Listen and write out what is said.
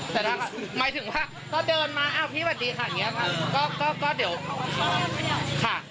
แต่ถ้าหมายถึงว่าก็เดินมาอ้าวพี่สวัสดีค่ะอย่างนี้ค่ะก็เดี๋ยวค่ะ